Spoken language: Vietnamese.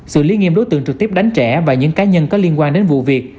xử lý nghiêm đối tượng trực tiếp đánh trẻ và những cá nhân có liên quan đến vụ việc